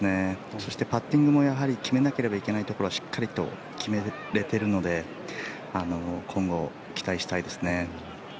そして、パッティングもやはり決めなければいけないところはしっかりと決められているので今後、期待したいですね。